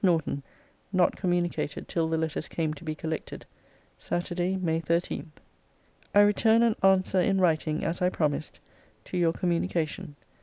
NORTON [NOT COMMUNICATED TILL THE LETTERS CAME TO BE COLLECTED.] SATURDAY, MAY 13. I return an answer in writing, as I promised, to your communication.